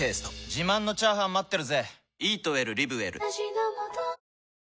自慢のチャーハン待ってるぜ！